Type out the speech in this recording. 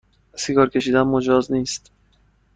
سیگار کشیدن مجاز نیست